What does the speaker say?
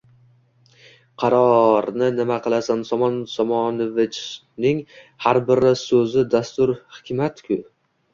Qarorni nima qilasan, Somon Somonovichning har bir so`zi dasturi hikmat-ku